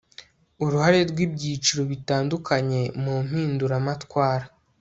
uruhare rw'ibyiciro bitandukanye mu mpinduramatwara